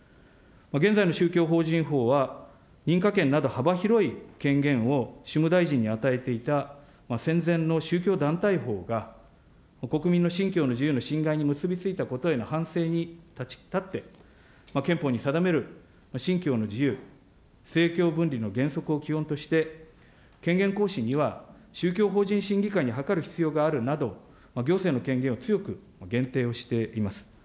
現在の宗教法人法は、認可権など幅広い権限を主務大臣に与えていた戦前の宗教団体法が、国民の信教の自由の侵害に結び付いたことへの反省に立って、憲法に定める信教の自由、政教分離の原則を基本として、権限行使には宗教法人審議会に諮る必要があるなど、行政の権限を強く限定をしています。